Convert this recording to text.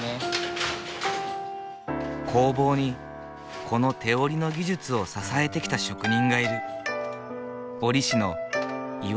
工房にこの手織りの技術を支えてきた職人がいる。